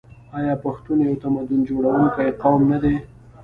آیا پښتون یو تمدن جوړونکی قوم نه دی؟